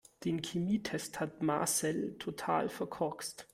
Den Chemietest hat Marcel total verkorkst.